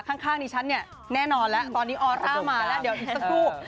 ข้างดิฉันแน่นอนแล้วตอนนี้อ๊อตอ้ามาล่ะเดี๋ยวอีกสักครู่